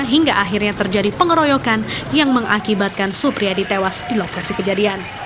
hingga akhirnya terjadi pengeroyokan yang mengakibatkan supriyadi tewas di lokasi kejadian